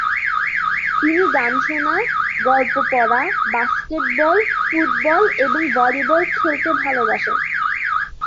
তিনি গান শোনা, গল্প পড়া, বাস্কেটবল, ফুটবল এবং ভলিবল খেলতে ভালবাসেন।